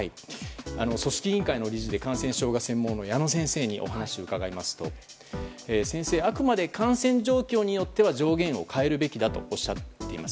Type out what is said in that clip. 組織委員会の理事で感染症が専門の矢野先生にお話を伺いますとあくまで感染状況によっては上限を変えるべきだとおっしゃっています。